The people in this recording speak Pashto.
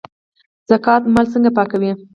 زکات مال څنګه پاکوي؟